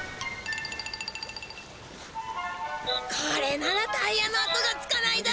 これならタイヤのあとがつかないだ。